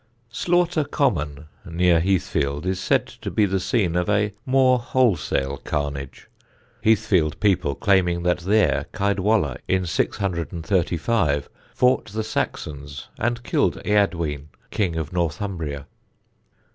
Slaughter Common, near Heathfield, is said to be the scene of a more wholesale carnage, Heathfield people claiming that there Caedwalla in 635 fought the Saxons and killed Eadwine, king of Northumbria.